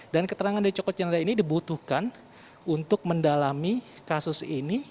dan keterangan dari joko chandra ini dibutuhkan untuk mendalami kasus ini